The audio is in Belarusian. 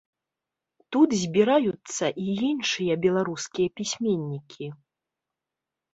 Тут збіраюцца і іншыя беларускія пісьменнікі.